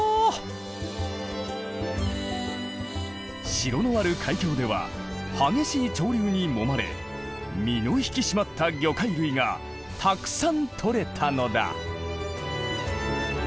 城のある海峡では激しい潮流にもまれ身の引き締まった魚介類がたくさん取れたのだ。